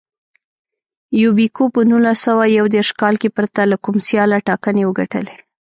یوبیکو په نولس سوه یو دېرش کال کې پرته له کوم سیاله ټاکنې وګټلې.